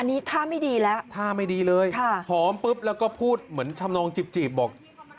อันนี้ท่าไม่ดีแล้วท่าไม่ดีเลยค่ะหอมปุ๊บแล้วก็พูดเหมือนชำนองจีบบอก